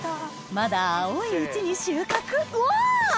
まだ青いうちに収穫うわ！